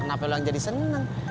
kenapa lo yang jadi seneng